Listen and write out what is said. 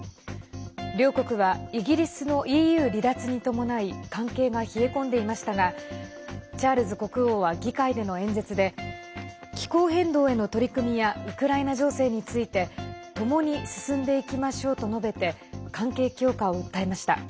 両国はイギリスのＥＵ離脱に伴い関係が冷え込んでいましたがチャールズ国王は議会での演説で気候変動への取り組みやウクライナ情勢について共に進んでいきましょうと述べて関係強化を訴えました。